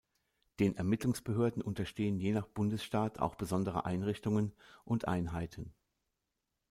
Den Ermittlungsbehörden unterstehen je nach Bundesstaat auch besondere Einrichtungen und Einheiten.